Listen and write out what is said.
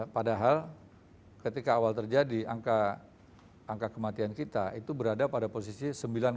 padahal ketika awal terjadi angka kematian kita itu berada pada posisi sembilan